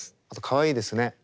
あとかわいいですね。